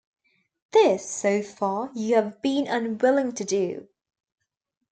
This, so far, you have been unwilling to do.